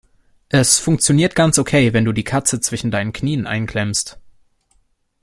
Es funktioniert ganz okay, wenn du die Katze zwischen deinen Knien einklemmst.